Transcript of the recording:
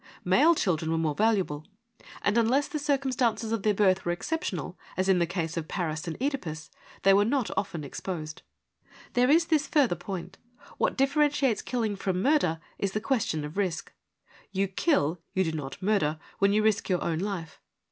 Male children were more valuable, and unless the circumstances of their birth were exceptional, as in the case of Paris and (Edipus, they were not often exposed. There is this further point : what differentiates killing from murder is the question of risk. You kill, you do not murder, when you risk your own life.